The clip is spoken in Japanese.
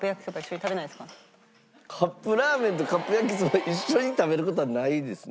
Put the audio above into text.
カップラーメンとカップ焼きそば一緒に食べる事はないですね。